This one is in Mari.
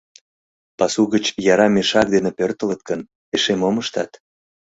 Пасу гыч яра мешак дене пӧртылыт гын, эше мом ыштат?